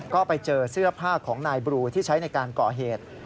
ก็ไปเจอเสื้อผ้าของนายบลูที่ใช้ในการก่อเหตุ